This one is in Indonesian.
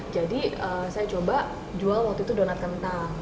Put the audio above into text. jadi saya coba jual waktu itu donat kentang